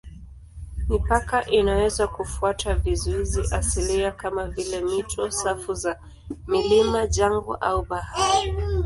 Mipaka inaweza kufuata vizuizi asilia kama vile mito, safu za milima, jangwa au bahari.